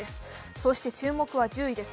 そして注目は１０位です。